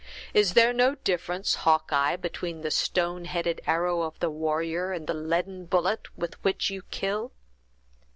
"Is there no difference, Hawkeye, between the stone headed arrow of the warrior, and the leaden bullet with which you kill?"